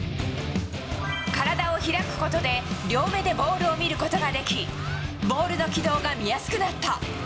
体を開くことで、両目でボールを見ることができ、ボールの軌道が見やすくなった。